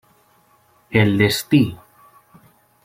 El destí.